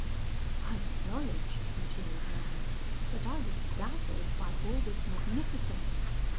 "'I acknowledge,' continued Manon, 'that I was dazzled by all this magnificence.